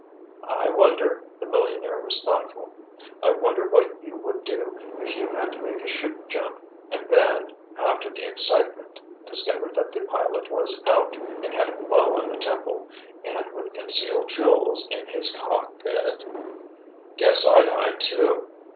"I wonder," the millionaire was thoughtful. "I wonder what you would do if you had to make a 'chute jump and then, after the excitement discovered that the pilot was 'out' and had a blow on the temple—and with concealed jewels in his cockpit——" "Guess I'd hide too!"